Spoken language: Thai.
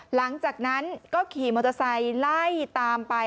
หลังจากนั้นก็ขี่มอเตอร์ไซค์ไล่ตามไป